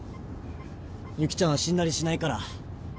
ゆきちゃんは死んだりしないから。